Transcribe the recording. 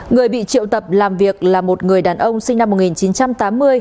người bị triệu tập làm việc là một người đàn ông sinh năm một nghìn chín trăm tám mươi